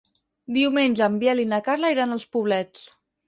Diumenge en Biel i na Carla iran als Poblets.